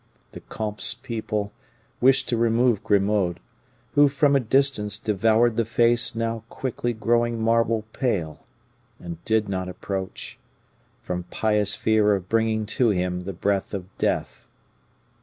The comte's people wished to remove Grimaud, who, from a distance, devoured the face now quickly growing marble pale, and did not approach, from pious fear of bringing to him the breath of death.